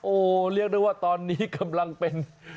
โอ้โหเรียกได้ว่าตอนนี้กำลังเป็น